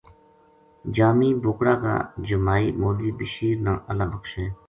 جامی بوکڑا کا جمائی مولوی بشیر نا اللہ بخشے۔